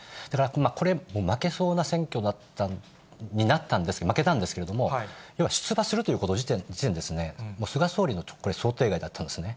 これ、負けそうな選挙になった、負けたんですけれども、出馬するということ時点で、菅総理の想定外だったんですね。